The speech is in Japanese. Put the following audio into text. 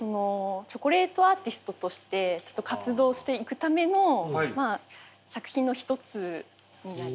チョコレートアーティストとして活動していくための作品の一つになります。